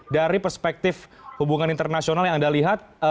dari perspektif hubungan internasional yang anda lihat